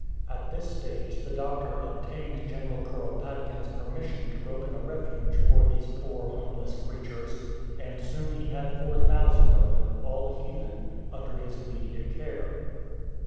At this stage the doctor obtained General Kuropatkin's 96 BATTLE OF LIAO YANG permission to open a refuge for these poor homeless creatures, and soon he had four thousand of them, all heathen, under his immediate care.